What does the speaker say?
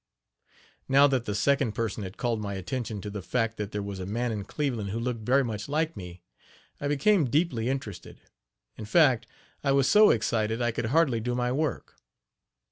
" Now that the second person had called my attention to the fact that there was a man in Cleveland who looked very much like me, I became deeply interested in fact, I was so excited I could hardly do my work.